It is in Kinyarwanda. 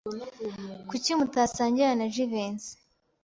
Kuki mutasangira na Jivency?